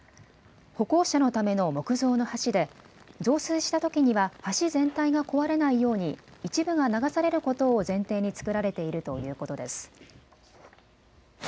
歩行者のための木造の橋で増水したときには橋全体が壊れないように一部が流されることを前提につくられているということです。